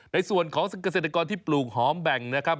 ในส่วนของเกษตรกรที่ปลูกหอมแบ่งนะครับ